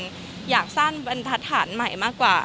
ความเรียกแล้วเป็นทัฒนใหม่มากกว่า